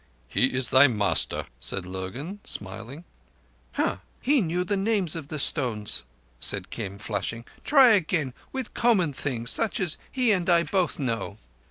"He is thy master," said Lurgan Sahib, smiling. "Huh! He knew the names of the stones," said Kim, flushing. "Try again! With common things such as he and I both know."